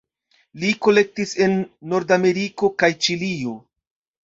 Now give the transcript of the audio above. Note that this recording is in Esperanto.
Li kolektis en Nordameriko kaj Ĉilio.